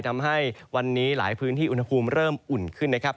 ทำให้วันนี้หลายพื้นที่อุณหภูมิเริ่มอุ่นขึ้นนะครับ